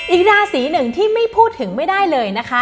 อีกราศีหนึ่งที่ไม่พูดถึงไม่ได้เลยนะคะ